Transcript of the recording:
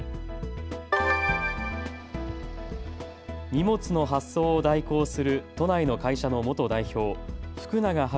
荷物の発送を代行する都内の会社の元代表、福永悠宏